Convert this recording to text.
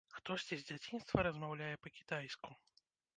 Хтосьці з дзяцінства размаўляе па-кітайску.